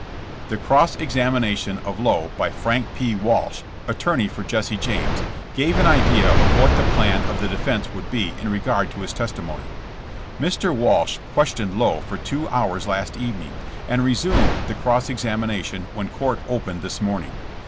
The cross examination of Lowe by Frank P. "Walsh, attorney for Jesse James, gave an idea of what the plan of the defense would be in regard to his testimony. Mr. Walsh questioned Lowe for two hours last evening, and resumed the cross examina tion when court opened this morning.